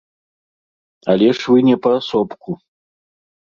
Але ж вы не паасобку.